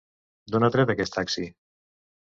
D'on ha tret aquest taxi?